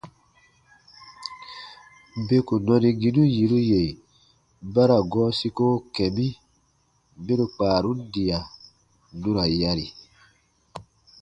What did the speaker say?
Beku nɔniginu yiru yè ba ra gɔɔ siko kɛ̃ mi mɛro kpaarun diya nu ra yari.